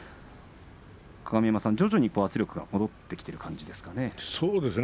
鏡山さん、徐々に圧力が戻ってきてる感じですか？